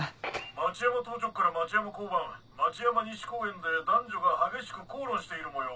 町山当直から町山交番町山西公園で男女が激しく口論しているもよう。